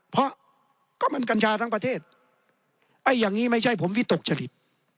เพราะก็มันกัญชาทั้งประเทศไอ้อย่างนี้ไม่ใช่ผมวิตกจริต